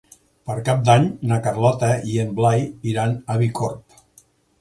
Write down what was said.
Per Cap d'Any na Carlota i en Blai iran a Bicorb.